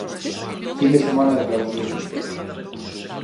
Fin de semana de clausuras.